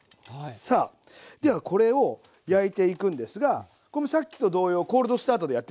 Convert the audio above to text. さあではこれを焼いていくんですがこれもさっきと同様コールドスタートでやっていきます。